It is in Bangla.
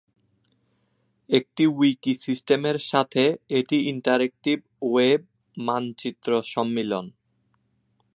একটি উইকি সিস্টেমের সাথে এটি ইন্টারেক্টিভ ওয়েব মানচিত্র সম্মিলন।